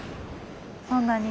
そんなに？